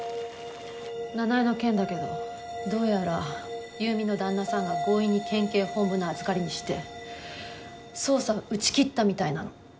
奈々江の件だけどどうやら優美の旦那さんが強引に県警本部の預かりにして捜査を打ち切ったみたいなの。